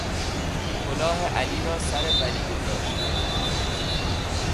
کلاه علی را سر ولی گذاشتن